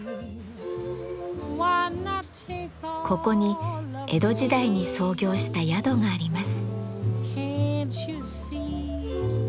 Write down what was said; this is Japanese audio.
ここに江戸時代に創業した宿があります。